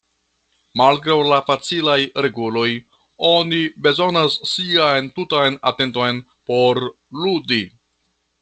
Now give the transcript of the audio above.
Malgraŭ la facilaj reguloj, oni bezonas sian tutan atenton por ludi.